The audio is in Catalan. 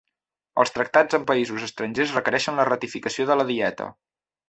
Els tractats amb països estrangers requereixen la ratificació de la Dieta.